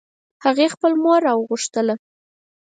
هغې خپل مور راوغوښتله